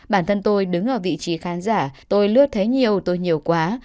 bản thân tôi đứng ở vị trí khán giả tôi lướt thế nhiều tôi nhiều quá